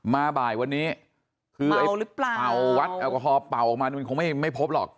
มาบ่ายวันนี้อากาศเปล่าออกมาคงไม่พบหรอก